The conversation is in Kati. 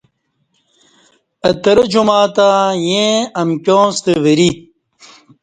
اہ ترہ جمعہ تہ ایں امکیاں ستہ وری